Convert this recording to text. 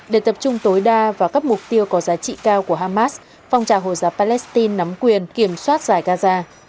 để tập trung tối đa vào các mục tiêu có giá trị cao của hamas phong trào hồ giáp palestine nắm quyền kiểm soát dài gaza